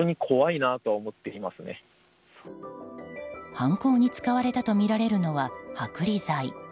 犯行に使われたとみられるのは剥離剤。